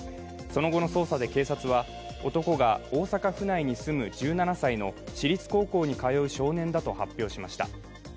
その後の捜査で警察は、男が大阪府内に住む１７歳の私立高校に通う少年だと発表しました。